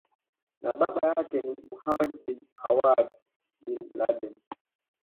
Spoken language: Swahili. na baba yake ni Mohammad bin Awad bin Laden